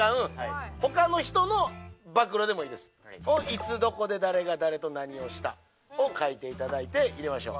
「いつどこで誰が誰と何をした」を書いていただいて入れましょう。